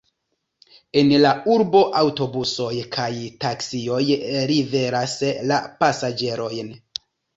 En la urbo aŭtobusoj kaj taksioj liveras la pasaĝerojn.